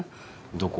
どこ？